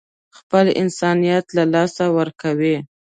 خپل انسانيت له لاسه ورکوي.